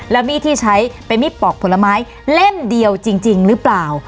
แล้วมีดที่ใช้เป็นมีดปอกผลไม้เล่มเดียวจริงหรือเปล่า